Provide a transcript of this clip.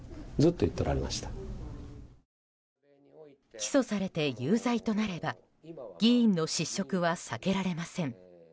起訴されて有罪となれば議員の失職は避けられません。